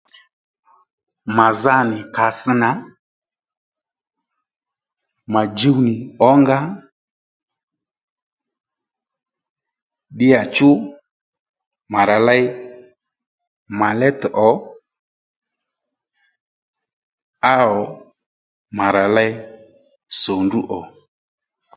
Mà za nì kàss nà mà djuw nì ǒnga ddíyàchú mà rà ley màlét ò áẁ mà rà ley sòndú ò